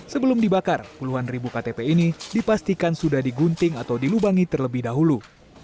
sebelum dibakar puluhan ribu ktp ini dipastikan sudah digunting atau dilubangi terlebih dahulu